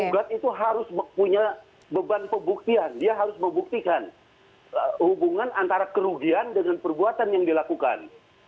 gugat itu harus punya beban pembuktian dia harus membuktikan hubungan antara kerugian dengan perbuatan yang dilakukan